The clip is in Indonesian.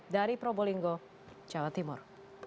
dari probolinggo jawa timur